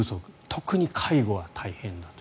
特に介護は大変だと。